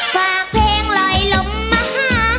ฝากเพลงลอยลมมาหา